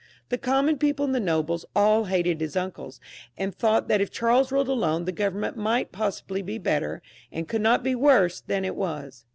The common people and the nobles aU. hated his uncles, and thought that if Charles ruled alone the government might possibly be better, and could not be worse than it now was.